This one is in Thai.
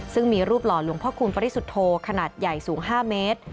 ซึ่งมีรูปหล่อหลวงพ่อคูณปริสุทธโธขนาดใหญ่สูง๕เมตร